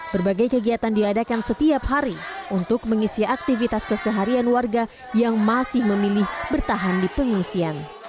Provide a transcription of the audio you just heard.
berbagai kegiatan diadakan setiap hari untuk mengisi aktivitas keseharian warga yang masih memilih bertahan di pengungsian